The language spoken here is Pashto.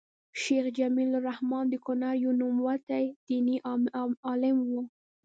شيخ جميل الرحمن د کونړ يو نوموتی ديني عالم وو